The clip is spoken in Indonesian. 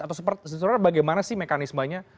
atau seperti suratnya bagaimana sih mekanismenya